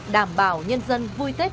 đảm bảo nhân dân vui tếp